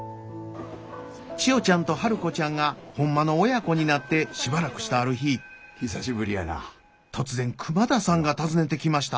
千代ちゃんと春子ちゃんがほんまの親子になってしばらくしたある日突然熊田さんが訪ねてきました。